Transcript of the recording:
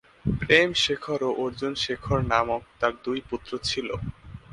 প্রেম শেখর ও অর্জুন শেখর নামক তার দুই পুত্র ছিল।